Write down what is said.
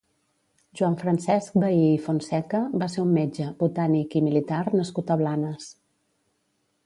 Joan Francesc Bahí i Fontseca va ser un metge, botànic i militar nascut a Blanes.